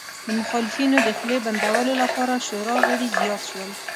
د مخالفینو د خولې بندولو لپاره شورا غړي زیات شول